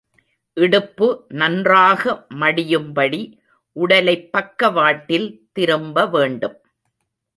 இடுப்பு நன்றாக மடியும்படி, உடலைப் பக்கவாட்டில் திரும்ப வேண்டும்.